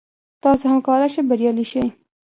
تاسو هم کولای شئ بریالي شئ.